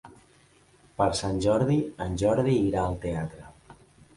Per Sant Jordi en Jordi irà al teatre.